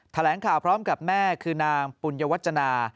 แถลงข่าวพร้อมกับแม่คือนางปุญวัจจนา